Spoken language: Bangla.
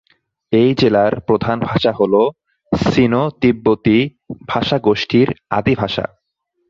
এই জেলার প্রধান ভাষা হল সিনো-তিব্বতি ভাষাগোষ্ঠীর আদি ভাষা।